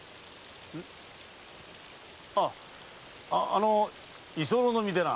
あの居候の身でな。